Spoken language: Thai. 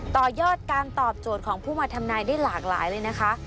ต่อยอดการตอบโจทย์ของผู้มาทำนายได้หลากหลายเลยนะคะ